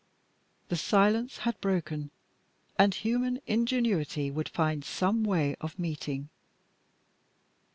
The silence had broken, and human ingenuity would find some way of meeting.